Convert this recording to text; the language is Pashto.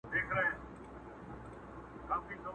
په څو چنده له قېمته د ټوكرانو!!